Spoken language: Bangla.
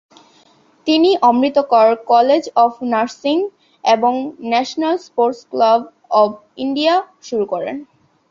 তিনি "Amrit Kaur College of Nursing" এবং "National Sports Club of India" শুরু করেন।